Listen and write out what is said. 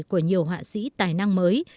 của nhiều họa sĩ tài năng mới